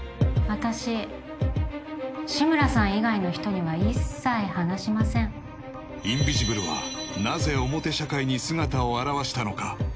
私志村さん以外の人には一切話しませんインビジブルはなぜ表社会に姿を現したのか？